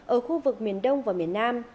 ở khu vực miền đông và miền nam